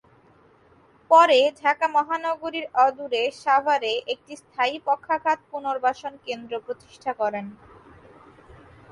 পরে ঢাকা মহানগরীর অদূরে সাভারে একটি স্থায়ী পক্ষাঘাত পুনর্বাসন কেন্দ্র প্রতিষ্ঠা করেন।